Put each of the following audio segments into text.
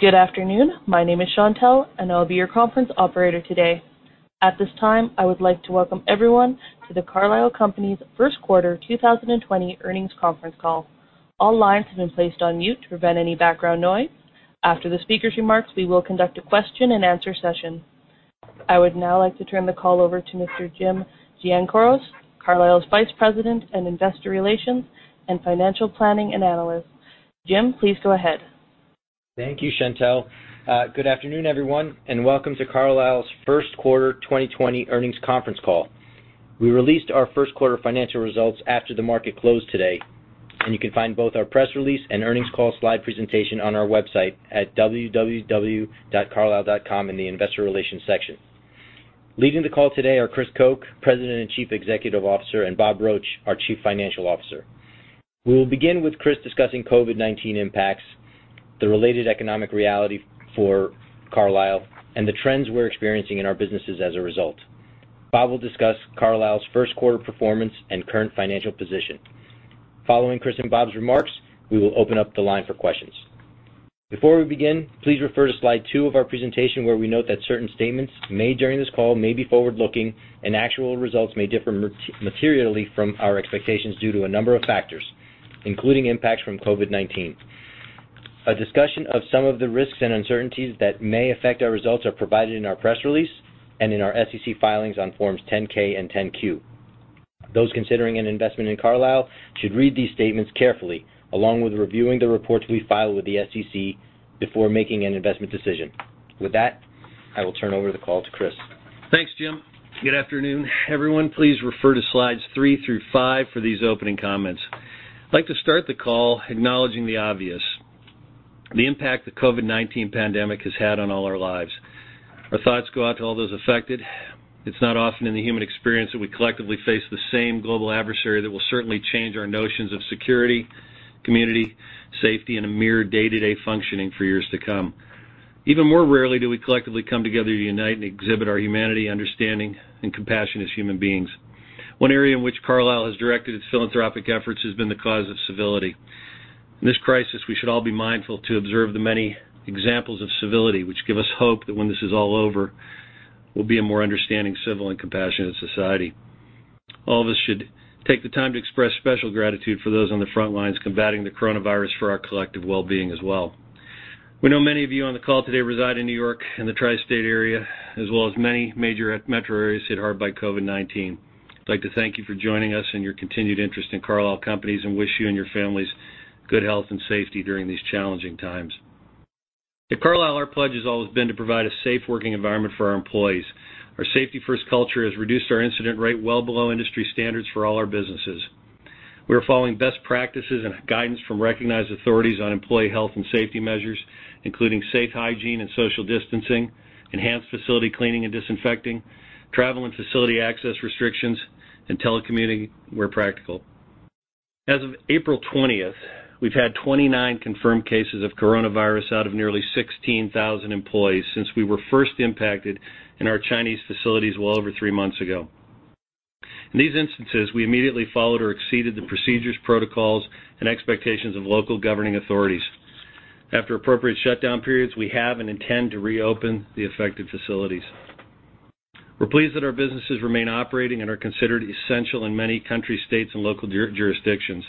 Good afternoon. My name is Chantel, and I'll be your conference operator today. At this time, I would like to welcome everyone to the Carlisle Companies' first quarter 2020 earnings conference call. All lines have been placed on mute to prevent any background noise. After the speaker's remarks, we will conduct a question-and-answer session. I would now like to turn the call over to Mr. Jim Giannakouros, Carlisle's Vice President of Investor Relations and Financial Planning and Analysis. Jim, please go ahead. Thank you, Chantel. Good afternoon, everyone, and welcome to Carlisle's first quarter 2020 earnings conference call. We released our first quarter financial results after the market closed today, and you can find both our press release and earnings call slide presentation on our website at www.carlisle.com in the Investor Relations section. Leading the call today are Chris Koch, President and Chief Executive Officer, and Bob Roche, our Chief Financial Officer. We will begin with Chris discussing COVID-19 impacts, the related economic reality for Carlisle, and the trends we're experiencing in our businesses as a result. Bob will discuss Carlisle's first quarter performance and current financial position. Following Chris and Bob's remarks, we will open up the line for questions. Before we begin, please refer to slide two of our presentation where we note that certain statements made during this call may be forward-looking, and actual results may differ materially from our expectations due to a number of factors, including impacts from COVID-19. A discussion of some of the risks and uncertainties that may affect our results is provided in our press release and in our SEC filings on forms 10-K and 10-Q. Those considering an investment in Carlisle should read these statements carefully, along with reviewing the reports we file with the SEC before making an investment decision. With that, I will turn over the call to Chris. Thanks, Jim. Good afternoon, everyone. Please refer to slides three through five for these opening comments. I'd like to start the call acknowledging the obvious: the impact the COVID-19 pandemic has had on all our lives. Our thoughts go out to all those affected. It's not often in the human experience that we collectively face the same global adversary that will certainly change our notions of security, community, safety, and a mere day-to-day functioning for years to come. Even more rarely do we collectively come together to unite and exhibit our humanity, understanding, and compassion as human beings. One area in which Carlisle has directed its philanthropic efforts has been the cause of civility. In this crisis, we should all be mindful to observe the many examples of civility which give us hope that when this is all over, we'll be a more understanding, civil, and compassionate society. All of us should take the time to express special gratitude for those on the front lines combating the coronavirus for our collective well-being as well. We know many of you on the call today reside in New York and the Tri-State area, as well as many major metro areas hit hard by COVID-19. I'd like to thank you for joining us and your continued interest in Carlisle Companies and wish you and your families good health and safety during these challenging times. At Carlisle, our pledge has always been to provide a safe working environment for our employees. Our safety-first culture has reduced our incident rate well below industry standards for all our businesses. We are following best practices and guidance from recognized authorities on employee health and safety measures, including safe hygiene and social distancing, enhanced facility cleaning and disinfecting, travel and facility access restrictions, and telecommuting where practical. As of April 20th, we've had 29 confirmed cases of coronavirus out of nearly 16,000 employees since we were first impacted in our Chinese facilities well over three months ago. In these instances, we immediately followed or exceeded the procedures, protocols, and expectations of local governing authorities. After appropriate shutdown periods, we have and intend to reopen the affected facilities. We're pleased that our businesses remain operating and are considered essential in many countries, states, and local jurisdictions.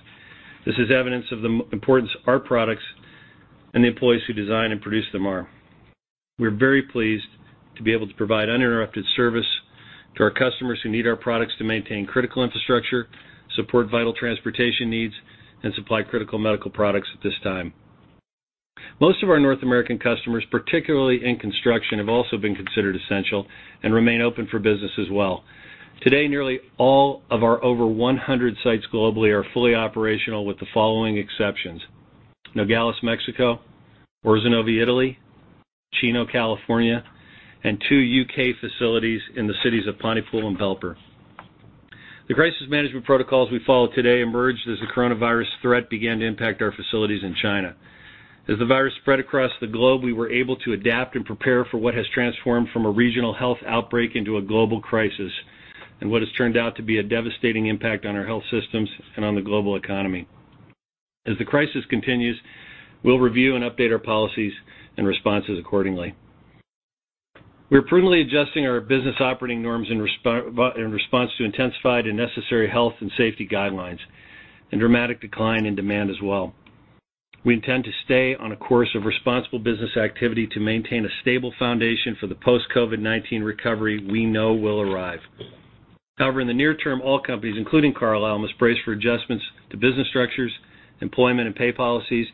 This is evidence of the importance our products and the employees who design and produce them are. We're very pleased to be able to provide uninterrupted service to our customers who need our products to maintain critical infrastructure, support vital transportation needs, and supply critical medical products at this time. Most of our North American customers, particularly in construction, have also been considered essential and remain open for business as well. Today, nearly all of our over 100 sites globally are fully operational with the following exceptions: Nogales, Mexico; Orzinuovi, Italy; Chino, California; and two U.K. facilities in the cities of Pontypool and Belper. The crisis management protocols we follow today emerged as the coronavirus threat began to impact our facilities in China. As the virus spread across the globe, we were able to adapt and prepare for what has transformed from a regional health outbreak into a global crisis and what has turned out to be a devastating impact on our health systems and on the global economy. As the crisis continues, we'll review and update our policies and responses accordingly. We're prudently adjusting our business operating norms in response to intensified and necessary health and safety guidelines and dramatic decline in demand as well. We intend to stay on a course of responsible business activity to maintain a stable foundation for the post-COVID-19 recovery we know will arrive. However, in the near term, all companies, including Carlisle, must brace for adjustments to business structures, employment, and pay policies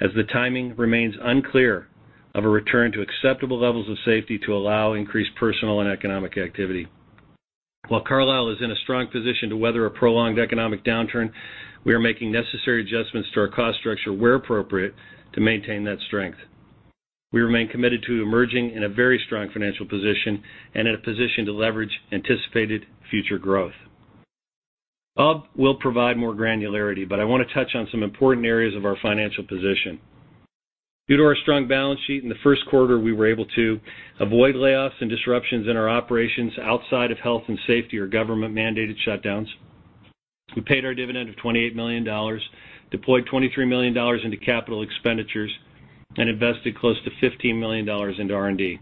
as the timing remains unclear of a return to acceptable levels of safety to allow increased personal and economic activity. While Carlisle is in a strong position to weather a prolonged economic downturn, we are making necessary adjustments to our cost structure where appropriate to maintain that strength. We remain committed to emerging in a very strong financial position and in a position to leverage anticipated future growth. Bob will provide more granularity, but I want to touch on some important areas of our financial position. Due to our strong balance sheet in the first quarter, we were able to avoid layoffs and disruptions in our operations outside of health and safety or government-mandated shutdowns. We paid our dividend of $28 million, deployed $23 million into capital expenditures, and invested close to $15 million into R&D.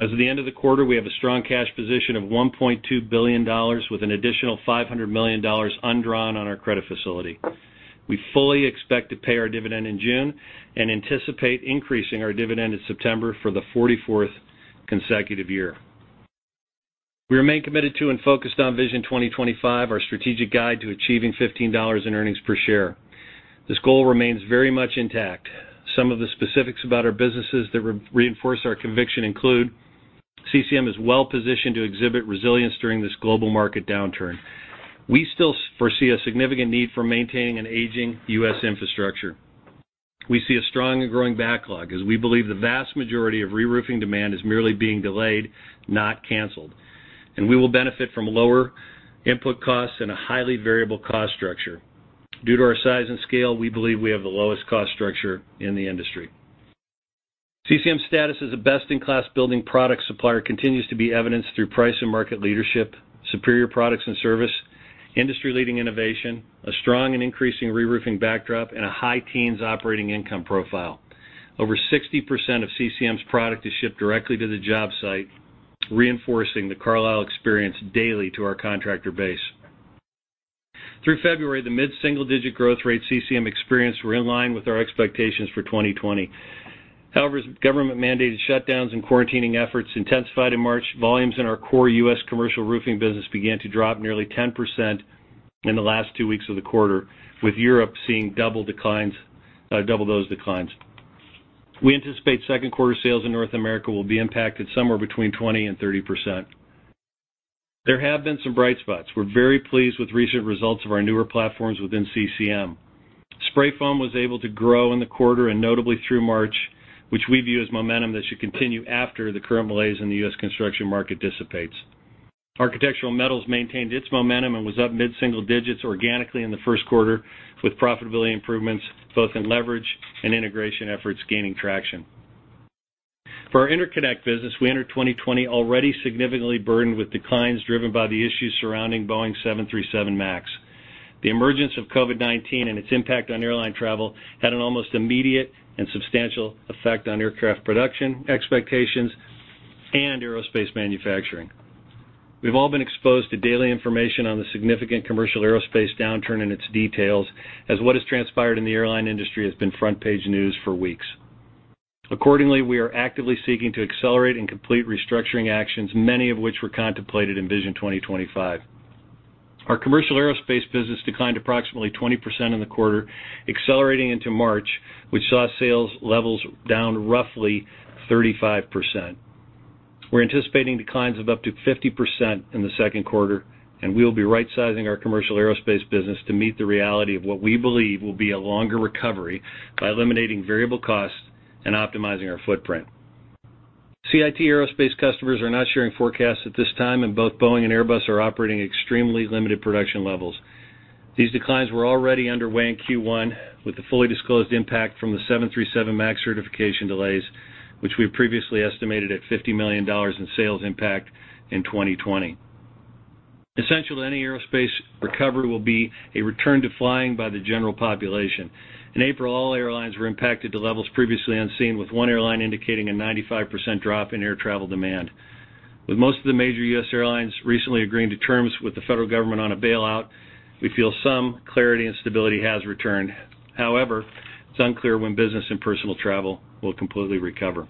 As of the end of the quarter, we have a strong cash position of $1.2 billion with an additional $500 million undrawn on our credit facility. We fully expect to pay our dividend in June and anticipate increasing our dividend in September for the 44th consecutive year. We remain committed to and focused on Vision 2025, our strategic guide to achieving $15 in earnings per share. This goal remains very much intact. Some of the specifics about our businesses that reinforce our conviction include: CCM is well positioned to exhibit resilience during this global market downturn. We still foresee a significant need for maintaining an aging U.S. infrastructure. We see a strong and growing backlog as we believe the vast majority of reroofing demand is merely being delayed, not canceled, and we will benefit from lower input costs and a highly variable cost structure. Due to our size and scale, we believe we have the lowest cost structure in the industry. CCM's status as a best-in-class building product supplier continues to be evidenced through price and market leadership, superior products and service, industry-leading innovation, a strong and increasing reroofing backdrop, and a high teens operating income profile. Over 60% of CCM's product is shipped directly to the job site, reinforcing the Carlisle experience daily to our contractor base. Through February, the mid-single-digit growth rates CCM experienced were in line with our expectations for 2020. However, as government-mandated shutdowns and quarantining efforts intensified in March, volumes in our core U.S. commercial roofing business began to drop nearly 10% in the last two weeks of the quarter, with Europe seeing double those declines. We anticipate second quarter sales in North America will be impacted somewhere between 20% and 30%. There have been some bright spots. We're very pleased with recent results of our newer platforms within CCM. Spray foam was able to grow in the quarter and notably through March, which we view as momentum that should continue after the current malaise in the U.S. construction market dissipates. Architectural Metals maintained its momentum and was up mid-single digits organically in the first quarter, with profitability improvements both in leverage and integration efforts gaining traction. For our interconnect business, we entered 2020 already significantly burdened with declines driven by the issues surrounding Boeing 737 MAX. The emergence of COVID-19 and its impact on airline travel had an almost immediate and substantial effect on aircraft production, expectations, and aerospace manufacturing. We've all been exposed to daily information on the significant commercial aerospace downturn and its details, as what has transpired in the airline industry has been front-page news for weeks. Accordingly, we are actively seeking to accelerate and complete restructuring actions, many of which were contemplated in Vision 2025. Our commercial aerospace business declined approximately 20% in the quarter, accelerating into March, which saw sales levels down roughly 35%. We're anticipating declines of up to 50% in the second quarter, and we will be right-sizing our commercial aerospace business to meet the reality of what we believe will be a longer recovery by eliminating variable costs and optimizing our footprint. CIT Aerospace customers are not sharing forecasts at this time, and both Boeing and Airbus are operating at extremely limited production levels. These declines were already underway in Q1, with the fully disclosed impact from the 737 MAX certification delays, which we previously estimated at $50 million in sales impact in 2020. Essential to any aerospace recovery will be a return to flying by the general population. In April, all airlines were impacted to levels previously unseen, with one airline indicating a 95% drop in air travel demand. With most of the major U.S. airlines recently agreeing to terms with the federal government on a bailout, we feel some clarity and stability has returned. However, it's unclear when business and personal travel will completely recover.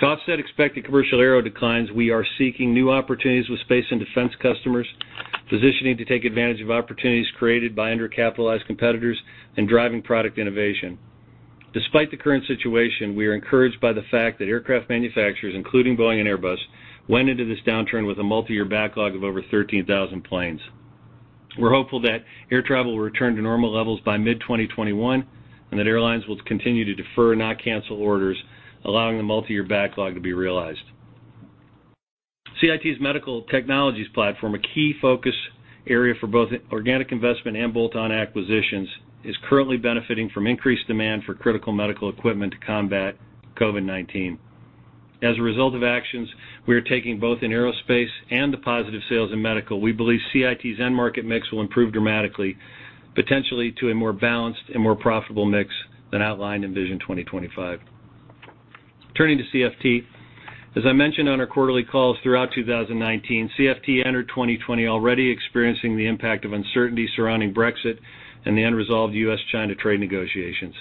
To offset expected commercial aero declines, we are seeking new opportunities with space and defense customers, positioning to take advantage of opportunities created by undercapitalized competitors and driving product innovation. Despite the current situation, we are encouraged by the fact that aircraft manufacturers, including Boeing and Airbus, went into this downturn with a multi-year backlog of over 13,000 planes. We're hopeful that air travel will return to normal levels by mid-2021 and that airlines will continue to defer and not cancel orders, allowing the multi-year backlog to be realized. CIT's medical technologies platform, a key focus area for both organic investment and bolt-on acquisitions, is currently benefiting from increased demand for critical medical equipment to combat COVID-19. As a result of actions we are taking both in aerospace and the positive sales in medical, we believe CIT's end-market mix will improve dramatically, potentially to a more balanced and more profitable mix than outlined in Vision 2025. Turning to CFT, as I mentioned on our quarterly calls throughout 2019, CFT entered 2020 already experiencing the impact of uncertainty surrounding Brexit and the unresolved U.S.-China trade negotiations.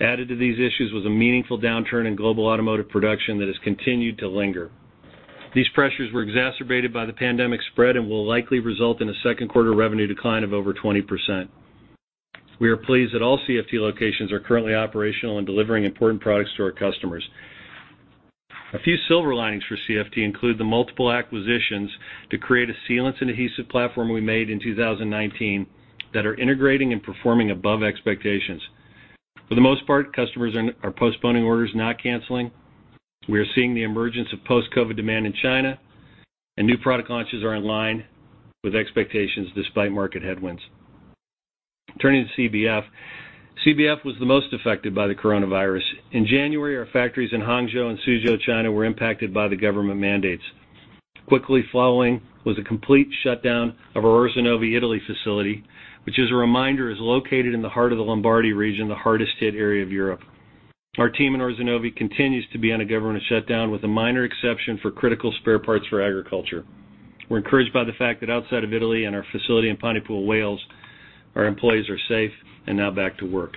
Added to these issues was a meaningful downturn in global automotive production that has continued to linger. These pressures were exacerbated by the pandemic spread and will likely result in a second quarter revenue decline of over 20%. We are pleased that all CFT locations are currently operational and delivering important products to our customers. A few silver linings for CFT include the multiple acquisitions to create a sealants and adhesive platform we made in 2019 that are integrating and performing above expectations. For the most part, customers are postponing orders, not canceling. We are seeing the emergence of post-COVID demand in China, and new product launches are in line with expectations despite market headwinds. Turning to CBF, CBF was the most affected by the coronavirus. In January, our factories in Hangzhou and Suzhou, China, were impacted by the government mandates. Quickly following was a complete shutdown of our Orzinuovi, Italy facility, which, as a reminder, is located in the heart of the Lombardy region, the hardest-hit area of Europe. Our team in Orzinuovi continues to be on a government shutdown, with a minor exception for critical spare parts for agriculture. We're encouraged by the fact that outside of Italy and our facility in Pontypool, Wales, our employees are safe and now back to work.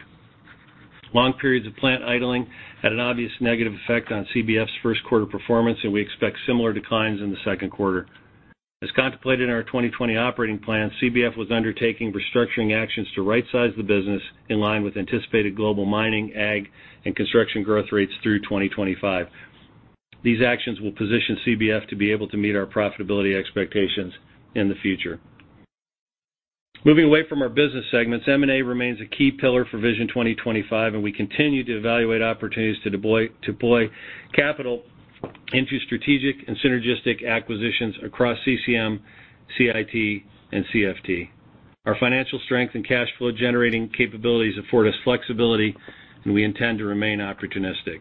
Long periods of plant idling had an obvious negative effect on CBF's first quarter performance, and we expect similar declines in the second quarter. As contemplated in our 2020 operating plan, CBF was undertaking restructuring actions to right-size the business in line with anticipated global mining, ag, and construction growth rates through 2025. These actions will position CBF to be able to meet our profitability expectations in the future. Moving away from our business segments, M&A remains a key pillar for Vision 2025, and we continue to evaluate opportunities to deploy capital into strategic and synergistic acquisitions across CCM, CIT, and CFT. Our financial strength and cash flow-generating capabilities afford us flexibility, and we intend to remain opportunistic.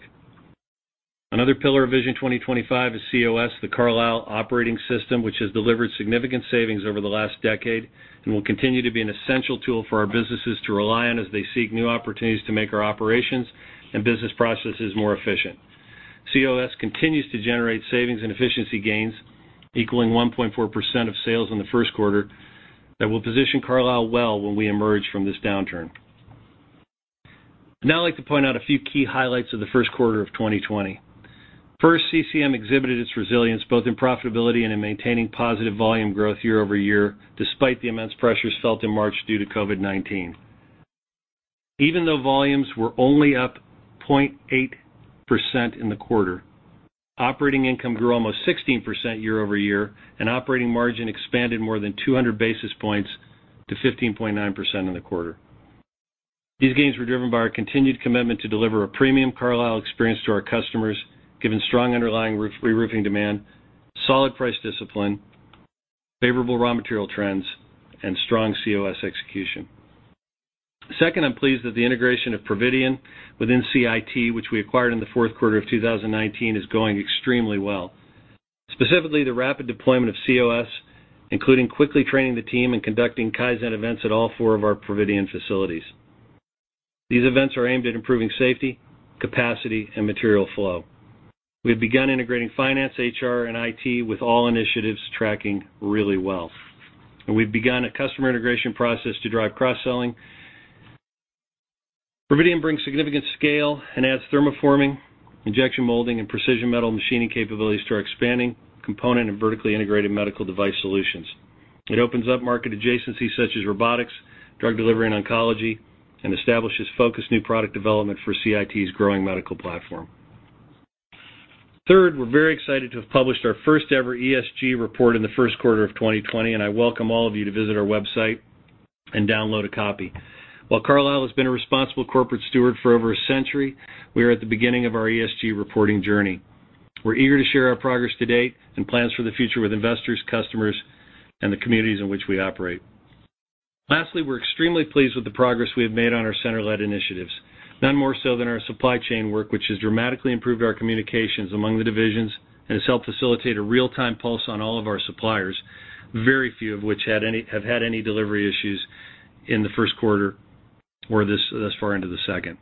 Another pillar of Vision 2025 is COS, the Carlisle Operating System, which has delivered significant savings over the last decade and will continue to be an essential tool for our businesses to rely on as they seek new opportunities to make our operations and business processes more efficient. COS continues to generate savings and efficiency gains, equaling 1.4% of sales in the first quarter, that will position Carlisle well when we emerge from this downturn. I'd now like to point out a few key highlights of the first quarter of 2020. First, CCM exhibited its resilience both in profitability and in maintaining positive volume growth year over year, despite the immense pressures felt in March due to COVID-19. Even though volumes were only up 0.8% in the quarter, operating income grew almost 16% year over year, and operating margin expanded more than 200 basis points to 15.9% in the quarter. These gains were driven by our continued commitment to deliver a premium Carlisle experience to our customers, given strong underlying reroofing demand, solid price discipline, favorable raw material trends, and strong COS execution. Second, I'm pleased that the integration of Providien within CIT, which we acquired in the fourth quarter of 2019, is going extremely well. Specifically, the rapid deployment of COS, including quickly training the team and conducting Kaizen events at all four of our Providien facilities. These events are aimed at improving safety, capacity, and material flow. We have begun integrating finance, HR, and IT with all initiatives tracking really well, and we've begun a customer integration process to drive cross-selling. Providien brings significant scale and adds thermoforming, injection molding, and precision metal machining capabilities to our expanding component of vertically integrated medical device solutions. It opens up market adjacencies such as robotics, drug delivery, and oncology, and establishes focused new product development for CIT's growing medical platform. Third, we're very excited to have published our first-ever ESG report in the first quarter of 2020, and I welcome all of you to visit our website and download a copy. While Carlisle has been a responsible corporate steward for over a century, we are at the beginning of our ESG reporting journey. We're eager to share our progress to date and plans for the future with investors, customers, and the communities in which we operate. Lastly, we're extremely pleased with the progress we have made on our center-led initiatives. None more so than our supply chain work, which has dramatically improved our communications among the divisions and has helped facilitate a real-time pulse on all of our suppliers, very few of which have had any delivery issues in the first quarter or this far into the second.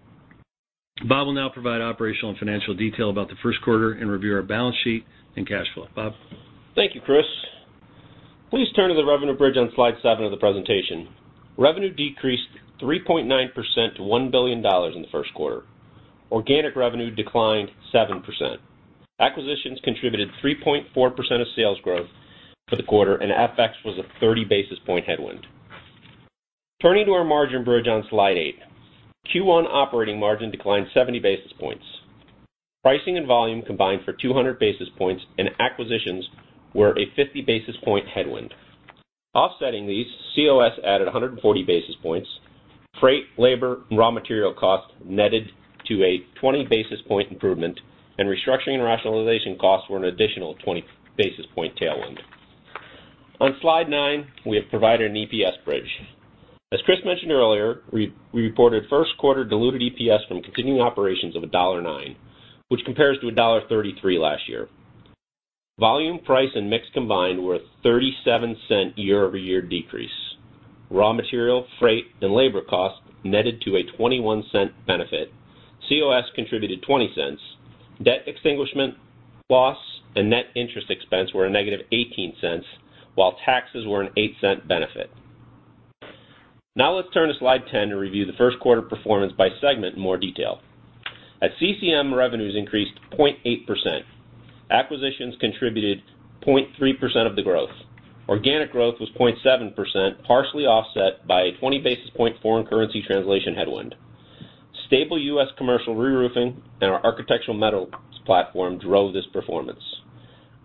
Bob will now provide operational and financial detail about the first quarter and review our balance sheet and cash flow. Bob. Thank you, Chris. Please turn to the revenue bridge on slide seven of the presentation. Revenue decreased 3.9% to $1 billion in the first quarter. Organic revenue declined 7%. Acquisitions contributed 3.4% of sales growth for the quarter, and FX was a 30-basis-point headwind. Turning to our margin bridge on slide eight, Q1 operating margin declined 70 basis points. Pricing and volume combined for 200 basis points, and acquisitions were a 50-basis-point headwind. Offsetting these, COS added 140 basis points. Freight, labor, and raw material costs netted to a 20-basis-point improvement, and restructuring and rationalization costs were an additional 20-basis-point tailwind. On slide nine, we have provided an EPS bridge. As Chris mentioned earlier, we reported first quarter diluted EPS from continuing operations of $1.09, which compares to $1.33 last year. Volume, price, and mix combined were a 37-cent year-over-year decrease. Raw material, freight, and labor costs netted to a 21-cent benefit. COS contributed 20 cents. Debt extinguishment, loss, and net interest expense were a negative 18 cents, while taxes were an 8-cent benefit. Now let's turn to slide 10 and review the first quarter performance by segment in more detail. At CCM, revenues increased 0.8%. Acquisitions contributed 0.3% of the growth. Organic growth was 0.7%, partially offset by a 20-basis-point foreign currency translation headwind. Stable U.S. commercial reroofing and our architectural metal platform drove this performance.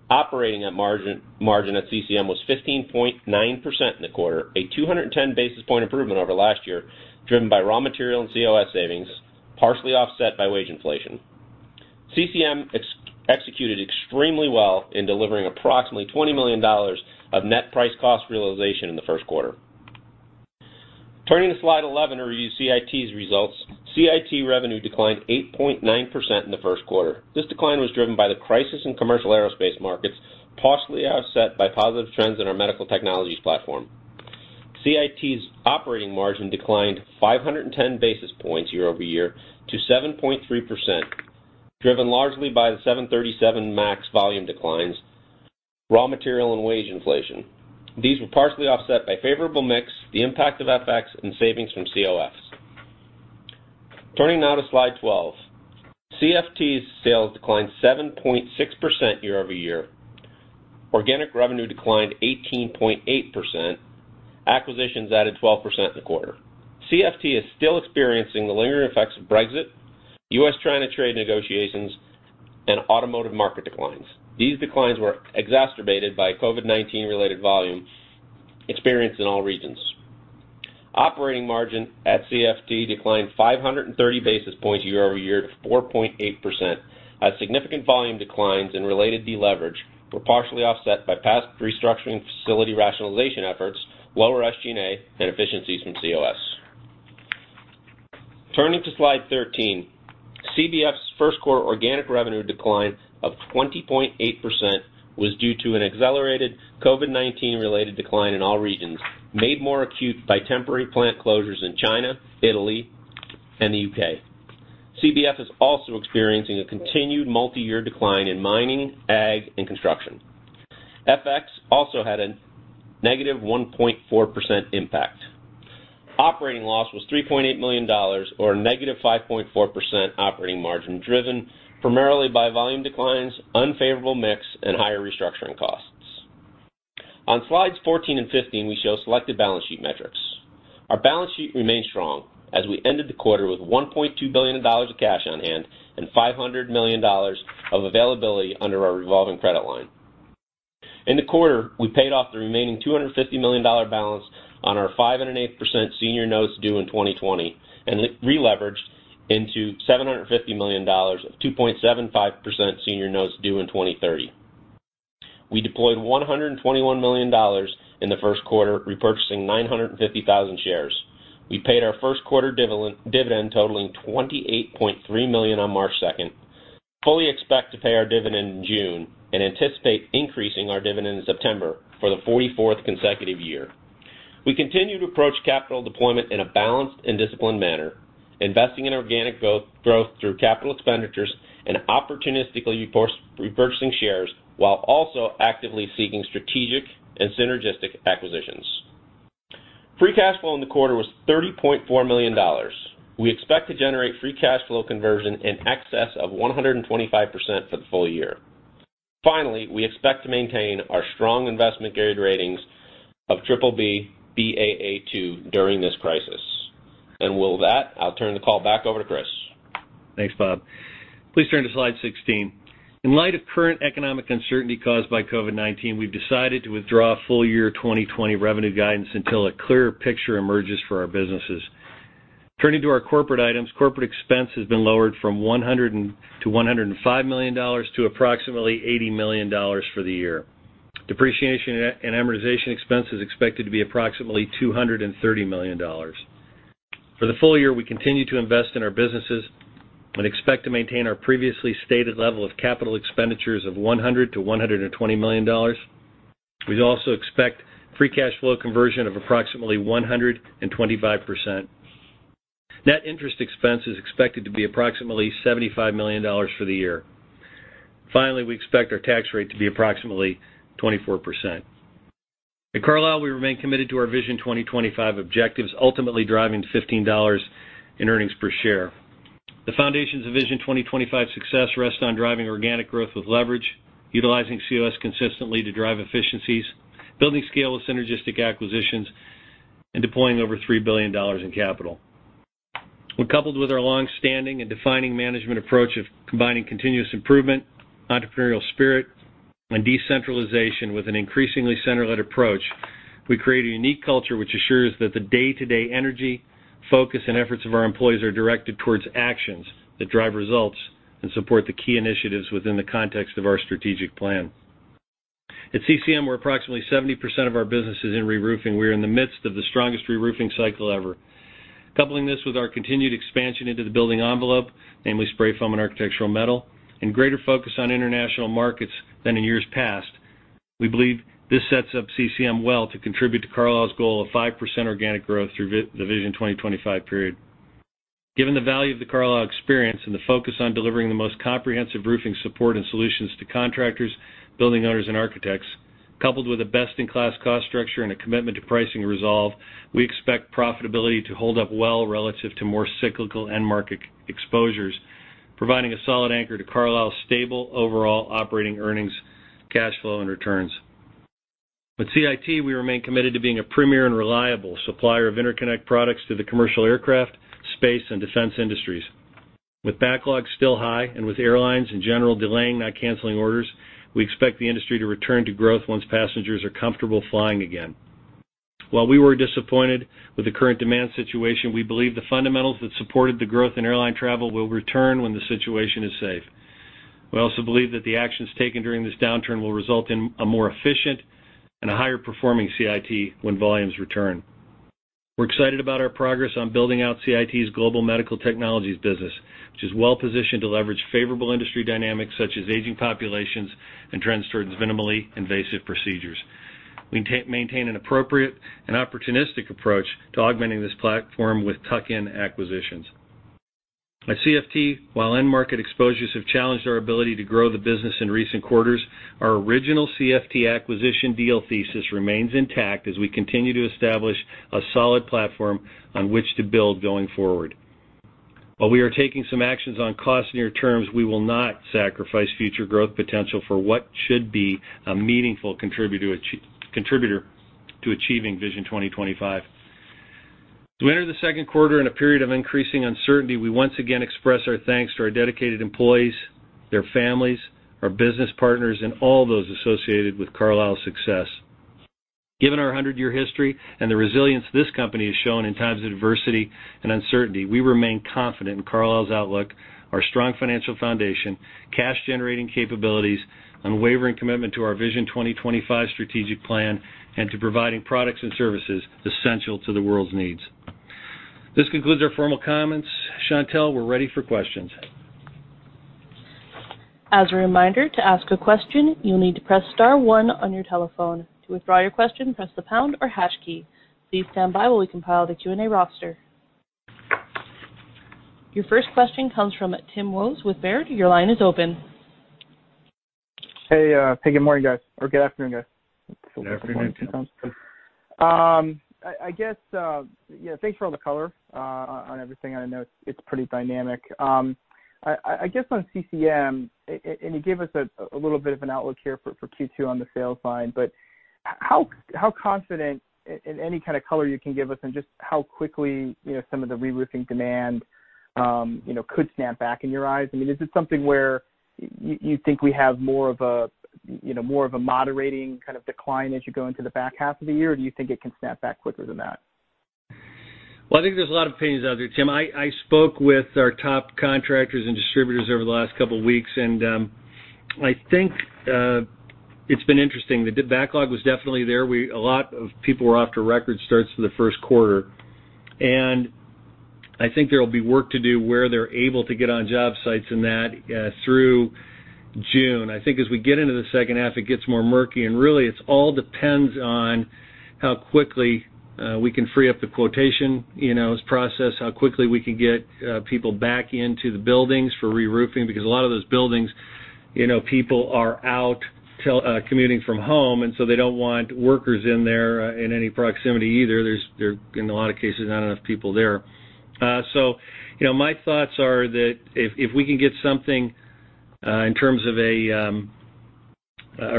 Operating margin at CCM was 15.9% in the quarter, a 210-basis-point improvement over last year, driven by raw material and COS savings, partially offset by wage inflation. CCM executed extremely well in delivering approximately $20 million of net price cost realization in the first quarter. Turning to slide 11 to review CIT's results, CIT revenue declined 8.9% in the first quarter. This decline was driven by the crisis in commercial aerospace markets, partially offset by positive trends in our medical technologies platform. CIT's operating margin declined 510 basis points year-over-year to 7.3%, driven largely by the 737 MAX volume declines, raw material and wage inflation. These were partially offset by favorable mix, the impact of FX, and savings from COS. Turning now to slide 12, CFT's sales declined 7.6% year-over-year. Organic revenue declined 18.8%. Acquisitions added 12% in the quarter. CFT is still experiencing the lingering effects of Brexit, U.S.-China trade negotiations, and automotive market declines. These declines were exacerbated by COVID-19-related volume experienced in all regions. Operating margin at CFT declined 530 basis points year-over-year to 4.8%. Significant volume declines and related deleverage were partially offset by past restructuring facility rationalization efforts, lower SG&A, and efficiencies from COS. Turning to slide 13, CBF's first quarter organic revenue decline of 20.8% was due to an accelerated COVID-19-related decline in all regions, made more acute by temporary plant closures in China, Italy, and the U.K. CBF is also experiencing a continued multi-year decline in mining, ag, and construction. FX also had a negative 1.4% impact. Operating loss was $3.8 million, or a negative 5.4% operating margin, driven primarily by volume declines, unfavorable mix, and higher restructuring costs. On slides 14 and 15, we show selected balance sheet metrics. Our balance sheet remained strong as we ended the quarter with $1.2 billion of cash on hand and $500 million of availability under our revolving credit line. In the quarter, we paid off the remaining $250 million balance on our 5.08% senior notes due in 2020 and releveraged into $750 million of 2.75% senior notes due in 2030. We deployed $121 million in the first quarter, repurchasing 950,000 shares. We paid our first quarter dividend totaling $28.3 million on March 2nd, fully expect to pay our dividend in June, and anticipate increasing our dividend in September for the 44th consecutive year. We continue to approach capital deployment in a balanced and disciplined manner, investing in organic growth through capital expenditures and opportunistically repurchasing shares, while also actively seeking strategic and synergistic acquisitions. Free cash flow in the quarter was $30.4 million. We expect to generate free cash flow conversion in excess of 125% for the full year. Finally, we expect to maintain our strong investment-grade ratings of BBB, Baa2 during this crisis. And with that, I'll turn the call back over to Chris. Thanks, Bob. Please turn to slide 16. In light of current economic uncertainty caused by COVID-19, we've decided to withdraw full year 2020 revenue guidance until a clearer picture emerges for our businesses. Turning to our corporate items, corporate expense has been lowered from $100-$105 million to approximately $80 million for the year. Depreciation and amortization expense is expected to be approximately $230 million. For the full year, we continue to invest in our businesses and expect to maintain our previously stated level of capital expenditures of $100-$120 million. We also expect free cash flow conversion of approximately 125%. Net interest expense is expected to be approximately $75 million for the year. Finally, we expect our tax rate to be approximately 24%. At Carlisle, we remain committed to our Vision 2025 objectives, ultimately driving $15 in earnings per share. The foundations of Vision 2025 success rest on driving organic growth with leverage, utilizing COS consistently to drive efficiencies, building scale with synergistic acquisitions, and deploying over $3 billion in capital. Coupled with our longstanding and defining management approach of combining continuous improvement, entrepreneurial spirit, and decentralization with an increasingly center-led approach, we create a unique culture which assures that the day-to-day energy, focus, and efforts of our employees are directed towards actions that drive results and support the key initiatives within the context of our strategic plan. At CCM, where approximately 70% of our business is in reroofing, we are in the midst of the strongest reroofing cycle ever. Coupling this with our continued expansion into the building envelope, namely spray foam and architectural metal, and greater focus on international markets than in years past, we believe this sets up CCM well to contribute to Carlisle's goal of 5% organic growth through the Vision 2025 period. Given the value of the Carlisle experience and the focus on delivering the most comprehensive roofing support and solutions to contractors, building owners, and architects, coupled with a best-in-class cost structure and a commitment to pricing resolve, we expect profitability to hold up well relative to more cyclical and market exposures, providing a solid anchor to Carlisle's stable overall operating earnings, cash flow, and returns. With CIT, we remain committed to being a premier and reliable supplier of interconnect products to the commercial aircraft, space, and defense industries. With backlogs still high and with airlines in general delaying not canceling orders, we expect the industry to return to growth once passengers are comfortable flying again. While we were disappointed with the current demand situation, we believe the fundamentals that supported the growth in airline travel will return when the situation is safe. We also believe that the actions taken during this downturn will result in a more efficient and a higher-performing CIT when volumes return. We're excited about our progress on building out CIT's global medical technologies business, which is well-positioned to leverage favorable industry dynamics such as aging populations and trends towards minimally invasive procedures. We maintain an appropriate and opportunistic approach to augmenting this platform with tuck-in acquisitions. At CFT, while end-market exposures have challenged our ability to grow the business in recent quarters, our original CFT acquisition deal thesis remains intact as we continue to establish a solid platform on which to build going forward. While we are taking some actions on near-term costs, we will not sacrifice future growth potential for what should be a meaningful contributor to achieving Vision 2025. To enter the second quarter in a period of increasing uncertainty, we once again express our thanks to our dedicated employees, their families, our business partners, and all those associated with Carlisle's success. Given our 100-year history and the resilience this company has shown in times of adversity and uncertainty, we remain confident in Carlisle's outlook, our strong financial foundation, cash-generating capabilities, unwavering commitment to our Vision 2025 strategic plan, and to providing products and services essential to the world's needs. This concludes our formal comments. Chantel, we're ready for questions. As a reminder, to ask a question, you'll need to press star one on your telephone. To withdraw your question, press the pound or hash key. Please stand by while we compile the Q&A roster. Your first question comes from Tim Wojs with Baird. Your line is open. Hey, good morning, guys, or good afternoon, guys. Good afternoon. I guess, yeah, thanks for all the color on everything. I know it's pretty dynamic. I guess on CCM, and you gave us a little bit of an outlook here for Q2 on the sales line, but how confident in any kind of color you can give us and just how quickly some of the reroofing demand could snap back in your eyes? I mean, is it something where you think we have more of a moderating kind of decline as you go into the back half of the year, or do you think it can snap back quicker than that? Well, I think there's a lot of opinions out there, Tim. I spoke with our top contractors and distributors over the last couple of weeks, and I think it's been interesting. The backlog was definitely there. A lot of people were off to record starts for the first quarter. And I think there will be work to do where they're able to get on job sites in that through June. I think as we get into the second half, it gets more murky. And really, it all depends on how quickly we can free up the quotations process, how quickly we can get people back into the buildings for reroofing, because a lot of those buildings, people are out commuting from home, and so they don't want workers in there in any proximity either. There's in a lot of cases not enough people there. So my thoughts are that if we can get something in terms of a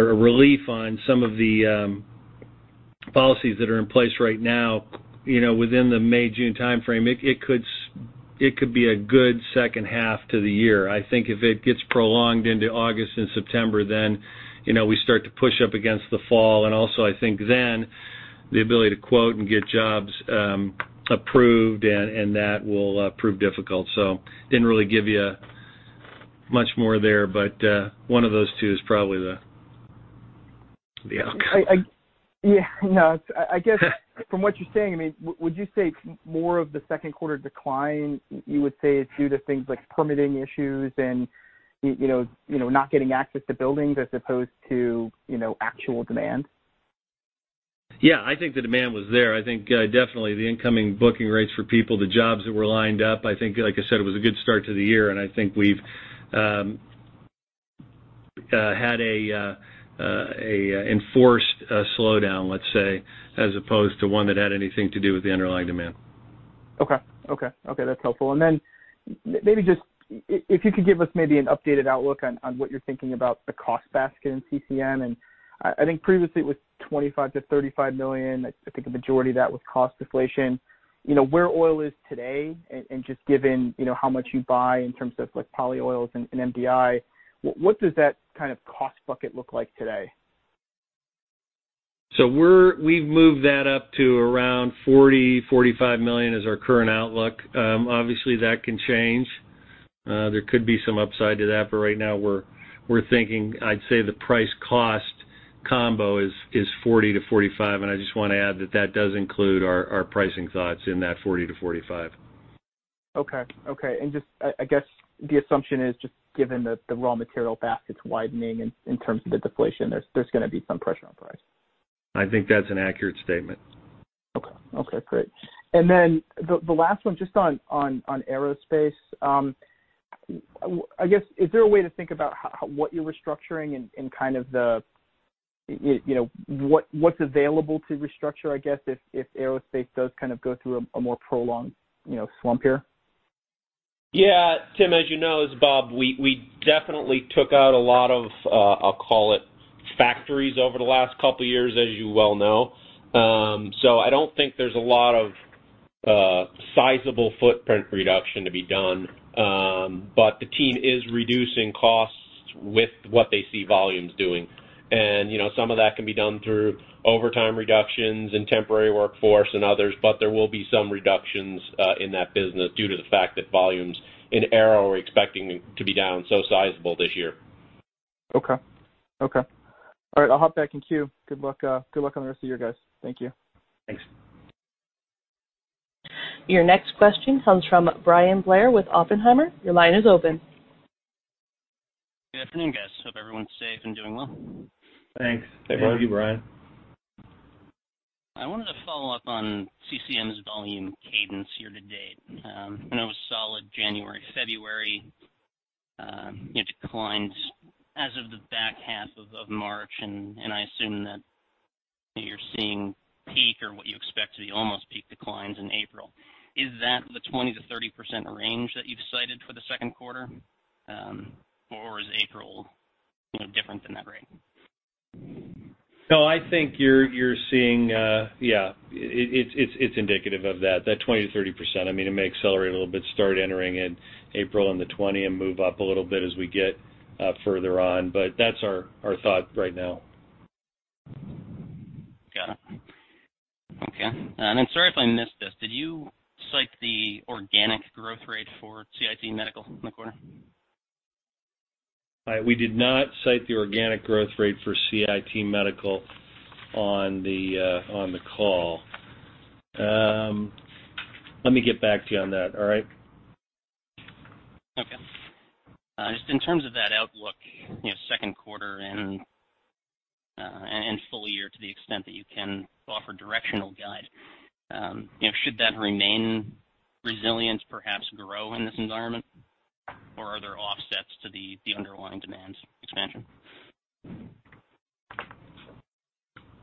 relief on some of the policies that are in place right now within the May-June timeframe, it could be a good second half to the year. I think if it gets prolonged into August and September, then we start to push up against the fall. And also, I think then the ability to quote and get jobs approved, and that will prove difficult. So didn't really give you much more there, but one of those two is probably the outcome. Yeah. No, I guess from what you're saying, I mean, would you say more of the second quarter decline, you would say it's due to things like permitting issues and not getting access to buildings as opposed to actual demand? Yeah, I think the demand was there. I think definitely the incoming booking rates for people, the jobs that were lined up, I think, like I said, it was a good start to the year, and I think we've had an enforced slowdown, let's say, as opposed to one that had anything to do with the underlying demand. Okay. Okay. Okay. That's helpful. And then maybe just if you could give us maybe an updated outlook on what you're thinking about the cost basket in CCM. And I think previously it was $25 million-$35 million. I think a majority of that was cost deflation. Where oil is today, and just given how much you buy in terms of polyols and MDI, what does that kind of cost bucket look like today? So we've moved that up to around $40 million-$45 million is our current outlook. Obviously, that can change. There could be some upside to that, but right now we're thinking, I'd say the price-cost combo is $40 million-$45 million. And I just want to add that that does include our pricing thoughts in that $40 million-$45 million. Okay. Okay. And just I guess the assumption is just given that the raw material basket's widening in terms of the deflation, there's going to be some pressure on price. I think that's an accurate statement. Okay. Okay. Great. And then the last one, just on aerospace, I guess, is there a way to think about what you're restructuring and kind of what's available to restructure, I guess, if aerospace does kind of go through a more prolonged slump here? Yeah. Tim, as you know, as Bob, we definitely took out a lot of, I'll call it, factories over the last couple of years, as you well know. So I don't think there's a lot of sizable footprint reduction to be done, but the team is reducing costs with what they see volumes doing. And some of that can be done through overtime reductions and temporary workforce and others, but there will be some reductions in that business due to the fact that volumes in aero are expecting to be down so sizable this year. Okay. Okay. All right. I'll hop back in queue. Good luck on the rest of you guys. Thank you. Thanks. Your next question comes from Bryan Blair with Oppenheimer. Your line is open. Good afternoon, guys. Hope everyone's safe and doing well. Thanks. Hey, Bob. How are you, Bryan? I wanted to follow up on CCM's volume cadence here to date. I know a solid January, February declines as of the back half of March, and I assume that you're seeing peak or what you expect to be almost peak declines in April. Is that the 20%-30% range that you've cited for the second quarter, or is April different than that rate? No, I think you're seeing, yeah, it's indicative of that, that 20%-30%. I mean, it may accelerate a little bit, start entering in April and the 20 and move up a little bit as we get further on, but that's our thought right now. Got it. Okay. And then sorry if I missed this. Did you cite the organic growth rate for CIT Medical in the quarter? We did not cite the organic growth rate for CIT Medical on the call. Let me get back to you on that, all right? Okay. Just in terms of that outlook, second quarter and full year to the extent that you can offer directional guide, should that remain, resilience perhaps grow in this environment, or are there offsets to the underlying demand expansion?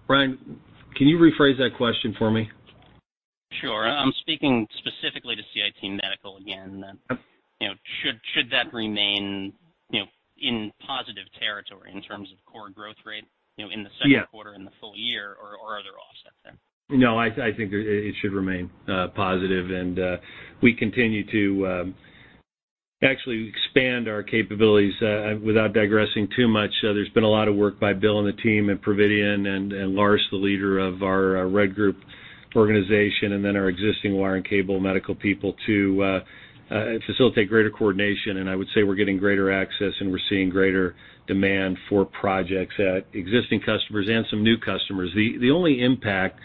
Brian, can you rephrase that question for me? Sure. I'm speaking specifically to CIT Medical again. Should that remain in positive territory in terms of core growth rate in the second quarter and the full year, or are there offsets there? No, I think it should remain positive. And we continue to actually expand our capabilities without digressing too much. There's been a lot of work by Bill and the team at Providien and Lars, the leader of our R&D group organization, and then our existing wire and cable medical people to facilitate greater coordination. And I would say we're getting greater access, and we're seeing greater demand for projects at existing customers and some new customers. The only impact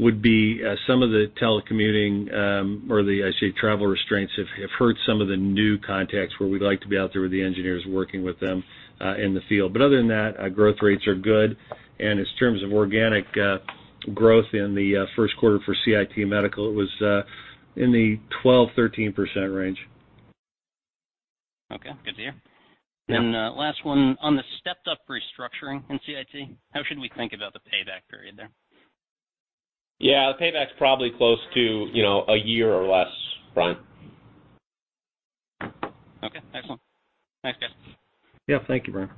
would be some of the telecommuting or the, I'd say, travel restraints have hurt some of the new contacts where we'd like to be out there with the engineers working with them in the field. But other than that, growth rates are good. In terms of organic growth in the first quarter for CIT Medical, it was in the 12%-13% range. Okay. Good to hear. Last one, on the stepped-up restructuring in CIT, how should we think about the payback period there? Yeah, the payback's probably close to a year or less, Brian. Okay. Excellent. Thanks, guys. Yeah. Thank you, Brian.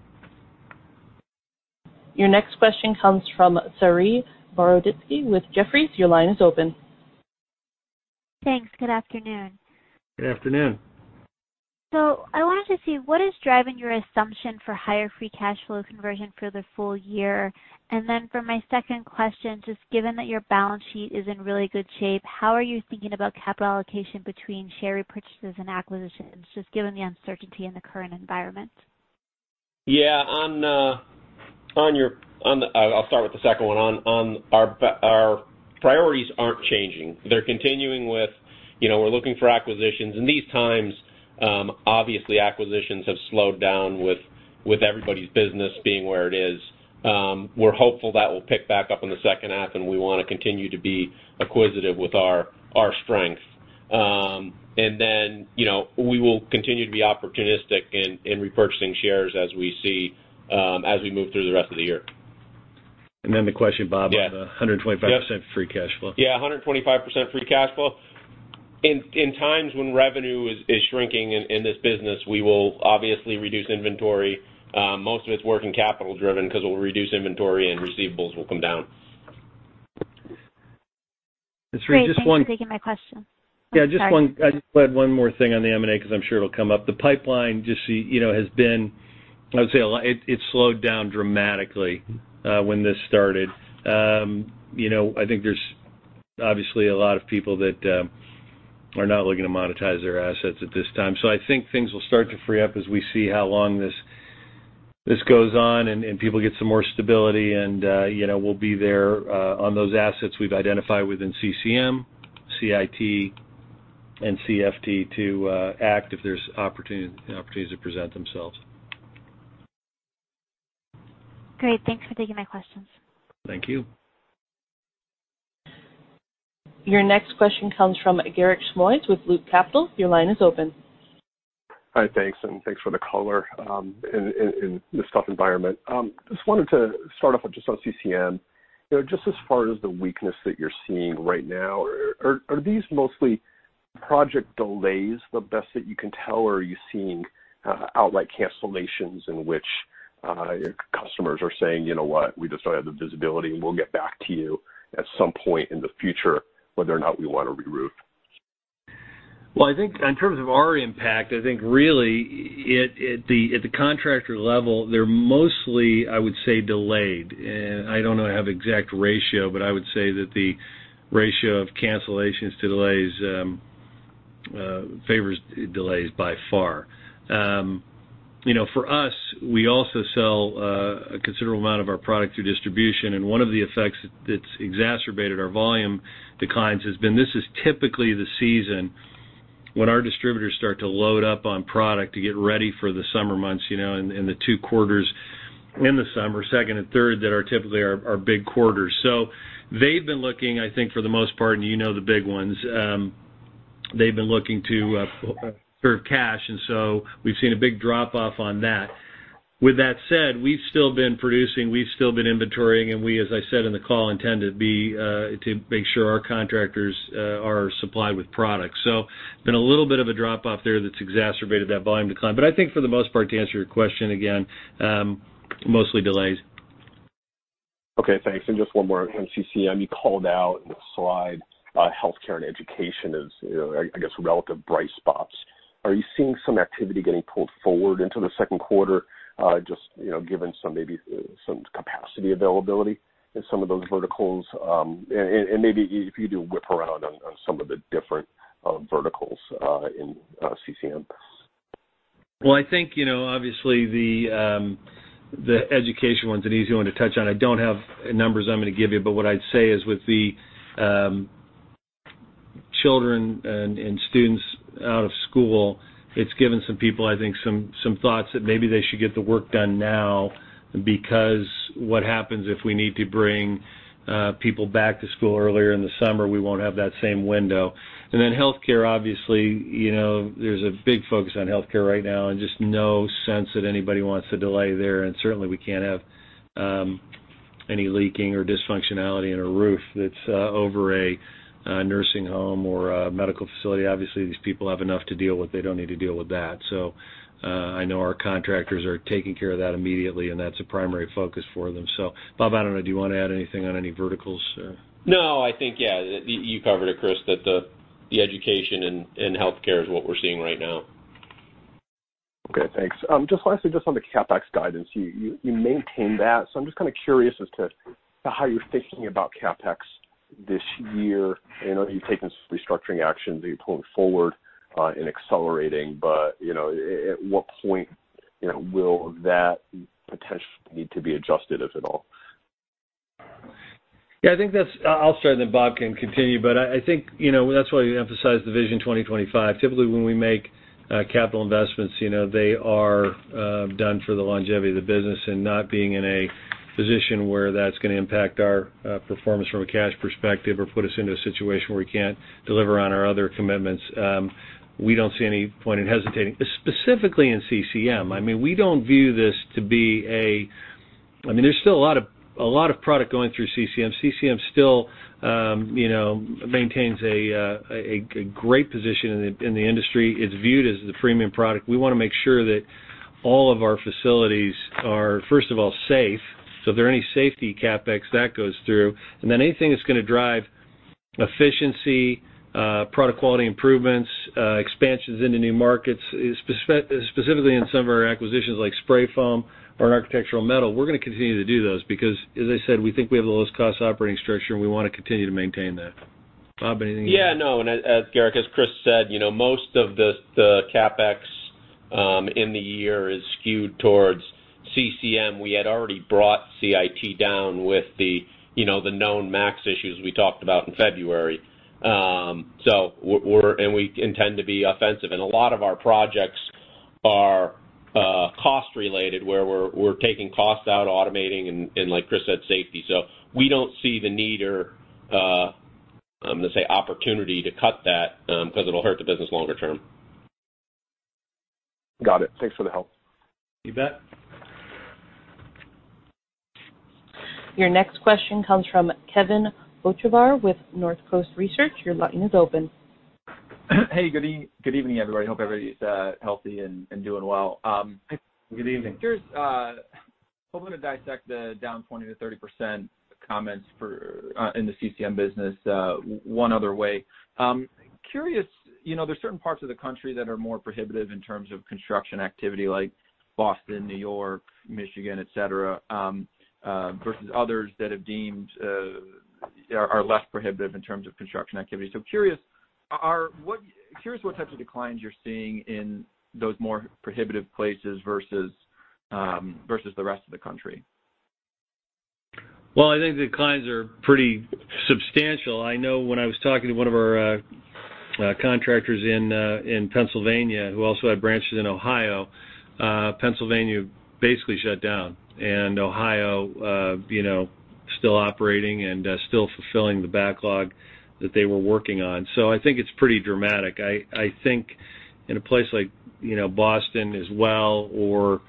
Your next question comes from Saree Boroditsky with Jefferies. Your line is open. Thanks. Good afternoon. Good afternoon. I wanted to see what is driving your assumption for higher free cash flow conversion for the full year. Then for my second question, just given that your balance sheet is in really good shape, how are you thinking about capital allocation between share repurchases and acquisitions just given the uncertainty in the current environment? Yeah. I'll start with the second one. Our priorities aren't changing. They're continuing with we're looking for acquisitions. In these times, obviously, acquisitions have slowed down with everybody's business being where it is. We're hopeful that will pick back up in the second half, and we want to continue to be acquisitive with our strength. We will continue to be opportunistic in repurchasing shares as we see as we move through the rest of the year. Then the question, Bob, on the 125% free cash flow. Yeah, 125% free cash flow. In times when revenue is shrinking in this business, we will obviously reduce inventory. Most of it's working capital-driven because we'll reduce inventory and receivables will come down. Sorry, just one. Sorry, can you repeat my question? Yeah, just one more thing on the M&A because I'm sure it'll come up. The pipeline just has been, I would say, it slowed down dramatically when this started. I think there's obviously a lot of people that are not looking to monetize their assets at this time. So I think things will start to free up as we see how long this goes on and people get some more stability. And we'll be there on those assets we've identified within CCM, CIT, and CFT to act if there's opportunities that present themselves. Great. Thanks for taking my questions. Thank you. Your next question comes from Garik Shmois with Loop Capital. Your line is open. Hi, thanks. And thanks for the color on the soft environment. Just wanted to start off with just on CCM. Just as far as the weakness that you're seeing right now, are these mostly project delays the best that you can tell, or are you seeing outright cancellations in which customers are saying, "You know what? We just don't have the visibility. “We'll get back to you at some point in the future whether or not we want to reroof?” Well, I think in terms of our impact, I think really at the contractor level, they're mostly, I would say, delayed. And I don't know if I have an exact ratio, but I would say that the ratio of cancellations to delays favors delays by far. For us, we also sell a considerable amount of our product through distribution. And one of the effects that's exacerbated our volume declines has been this is typically the season when our distributors start to load up on product to get ready for the summer months in the two quarters in the summer, second and third that are typically our big quarters. So they've been looking, I think, for the most part, and you know the big ones. They've been looking to conserve cash. We've seen a big drop-off on that. With that said, we've still been producing. We've still been inventorying. We, as I said in the call, intend to make sure our contractors are supplied with product. It's been a little bit of a drop-off there that's exacerbated that volume decline. I think for the most part, to answer your question again, mostly delays. Okay. Thanks. Just one more on CCM. You called out in the slide healthcare and education as, I guess, relative bright spots. Are you seeing some activity getting pulled forward into the second quarter just given maybe some capacity availability in some of those verticals? Maybe if you do whip around on some of the different verticals in CCM? I think obviously the education one's an easy one to touch on. I don't have numbers I'm going to give you, but what I'd say is with the children and students out of school, it's given some people, I think, some thoughts that maybe they should get the work done now because what happens if we need to bring people back to school earlier in the summer? We won't have that same window. And then healthcare, obviously, there's a big focus on healthcare right now and just no sense that anybody wants to delay there. And certainly, we can't have any leaking or dysfunctionality in a roof that's over a nursing home or a medical facility. Obviously, these people have enough to deal with. They don't need to deal with that. So I know our contractors are taking care of that immediately, and that's a primary focus for them. So, Bob, I don't know. Do you want to add anything on any verticals? No. I think, yeah, you covered it, Chris, that the education and healthcare is what we're seeing right now. Okay. Thanks. Just lastly, just on the CapEx guidance, you maintain that. So I'm just kind of curious as to how you're thinking about CapEx this year. I know you've taken some restructuring actions that you're pulling forward and accelerating, but at what point will that potentially need to be adjusted, if at all? Yeah, I think that's. I'll start, and then Bob can continue. But I think that's why we emphasize the Vision 2025. Typically, when we make capital investments, they are done for the longevity of the business and not being in a position where that's going to impact our performance from a cash perspective or put us into a situation where we can't deliver on our other commitments. We don't see any point in hesitating, specifically in CCM. I mean, we don't view this to be. I mean, there's still a lot of product going through CCM. CCM still maintains a great position in the industry. It's viewed as the premium product. We want to make sure that all of our facilities are, first of all, safe. So if there are any safety CapEx, that goes through. And then anything that's going to drive efficiency, product quality improvements, expansions into new markets, specifically in some of our acquisitions like spray foam or an architectural metal, we're going to continue to do those because, as I said, we think we have the lowest cost operating structure, and we want to continue to maintain that. Bob, anything else? Yeah. No. And as Garrett, as Chris said, most of the CapEx in the year is skewed towards CCM. We had already brought CIT down with the known MAX issues we talked about in February, and we intend to be offensive, and a lot of our projects are cost-related where we're taking costs out, automating, and, like Chris said, safety. So we don't see the need or, I'm going to say, opportunity to cut that because it'll hurt the business longer term. Got it. Thanks for the help. You bet. Your next question comes from Kevin Hocevar with North Coast Research. Your line is open. Hey, good evening, everybody. I hope everybody's healthy and doing well. Good evening. Hoping to dissect the down 20%-30% comments in the CCM business one other way. Curious, there's certain parts of the country that are more prohibitive in terms of construction activity like Boston, New York, Michigan, etc., versus others that are less prohibitive in terms of construction activity. So, curious what types of declines you're seeing in those more prohibitive places versus the rest of the country. Well, I think the declines are pretty substantial. I know when I was talking to one of our contractors in Pennsylvania who also had branches in Ohio. Pennsylvania basically shut down. And Ohio still operating and still fulfilling the backlog that they were working on. So, I think it's pretty dramatic. I think in a place like Boston as well or